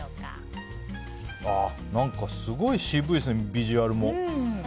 何か、すごい渋いですねビジュアルも。